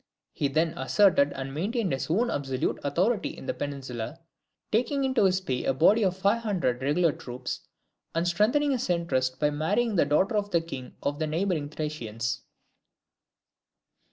He then asserted and maintained his own absolute authority in the peninsula, taking into his pay a body of five hundred regular troops, and strengthening his interest by marrying the daughter of the king of the neighbouring Thracians.